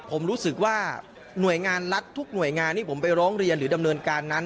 ผมรู้สึกว่าหน่วยงานรัฐทุกหน่วยงานที่ผมไปร้องเรียนหรือดำเนินการนั้น